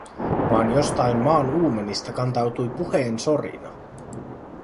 Vaan jostain maan uumenista kantautui puheensorina.